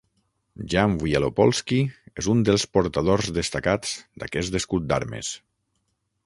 Jan Wielopolski és un dels portadors destacats d'aquest escut d'armes.